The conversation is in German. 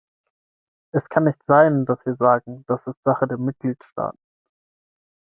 Es kann nicht sein, dass wir sagen "das ist Sache der Mitgliedstaaten".